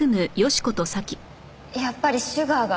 やっぱりシュガーが？